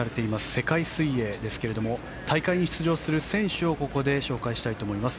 世界水泳ですが大会に出場する選手をここで紹介したいと思います。